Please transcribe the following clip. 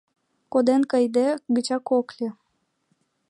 Коден кайыде гычак ок лий!